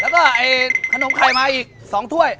แล้วก็ขนมไข่มาอีก๒ถ้วย